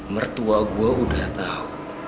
mertua gue udah tau